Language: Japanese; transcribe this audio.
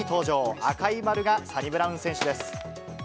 赤い丸が、サニブラウン選手です。